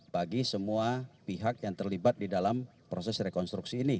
bagi semua pihak yang terlibat di dalam proses rekonstruksi ini